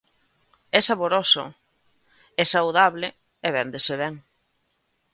É saboroso, é saudable e véndese ben.